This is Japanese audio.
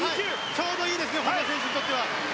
ちょうどいいですね本多選手にとっては。